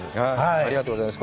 ありがとうございます。